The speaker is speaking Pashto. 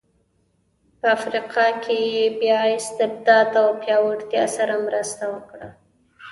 په افریقا کې یې بیا استبداد او پیاوړتیا سره مرسته وکړه.